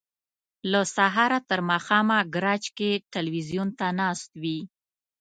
له سهاره تر ماښامه ګراج کې ټلویزیون ته ناست وي.